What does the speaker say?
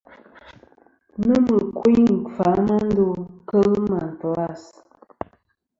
Nomɨ ɨkuyn ;kfà a ma ndo kel màtlas.